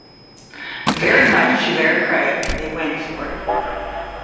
Very much to their credit, they went for it.